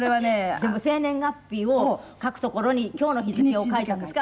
でも生年月日を書くところに今日の日付を書いたんですか？